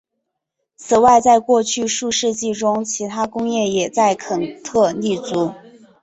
此外在过去数世纪中其它工业也在肯特立足。